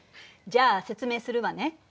じゃあ説明するわね。